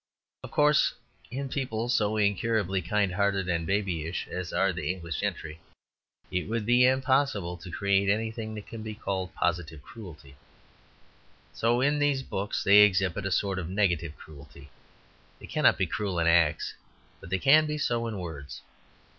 Of course, in people so incurably kind hearted and babyish as are the English gentry, it would be impossible to create anything that can be called positive cruelty; so in these books they exhibit a sort of negative cruelty. They cannot be cruel in acts, but they can be so in words.